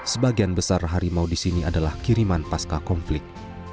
sebagian besar harimau di sini adalah kiriman pasca konflik